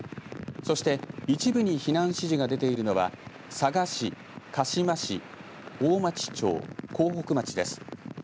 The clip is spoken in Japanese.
そして一部に避難指示が出ているのは佐賀市、鹿島市大町町江北町です。